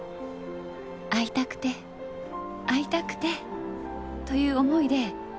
会いたくて会いたくてという思いで月１回会うのよ。